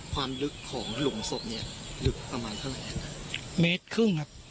ความลึกของหลุงศพเนี้ยลึกสำหร่างเมตรครึ่งครับ